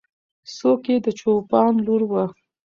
څوک یې د چوپان لور وه؟